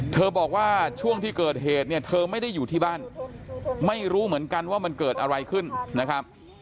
บอกว่าช่วงที่เกิดเหตุเนี่ยเธอไม่ได้อยู่ที่บ้านไม่รู้เหมือนกันว่ามันเกิดอะไรขึ้นนะครับ